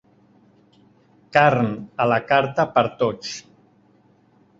Carn a la carta per a tots